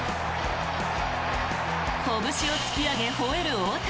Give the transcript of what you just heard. こぶしを突き上げ、ほえる大谷。